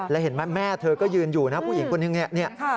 แล้วเห็นไหมแม่เธอก็ยืนอยู่นะผู้หญิงคนนึงเนี่ย